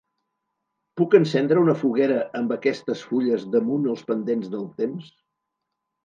Puc encendre una foguera amb aquestes fulles damunt els pendents del temps?